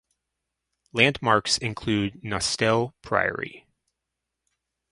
Landmarks include Nostell Priory.